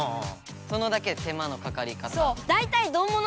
そのだけ手間のかかり方。